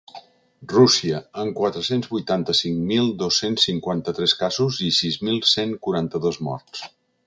Rússia, amb quatre-cents vuitanta-cinc mil dos-cents cinquanta-tres casos i sis mil cent quaranta-dos morts.